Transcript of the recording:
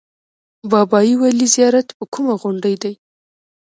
بابای ولي زیارت په کومه غونډۍ دی؟